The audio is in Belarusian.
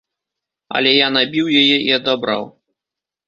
Але я набіў яе і адабраў.